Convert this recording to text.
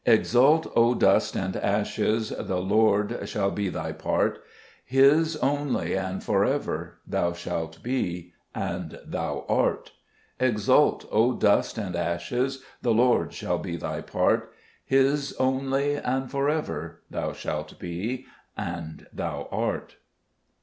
5 Exult, O dust and ashes, The Lord shall be thy part : His only and for ever, Thou shalt be, and thou art. Exult, O dust and ashes, The Lord shall be thy part : His only and for ever, Thou shalt be, and thou art.